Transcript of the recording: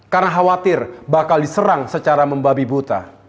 karena khawatir bakal diserang secara membabi buta